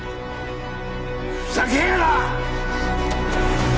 ふざけるな！